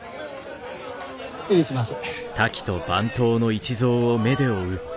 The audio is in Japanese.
失礼します。